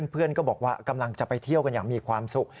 เพื่อนก็บอกว่ากำลังจะไปเที่ยวกันอย่างมีความสุข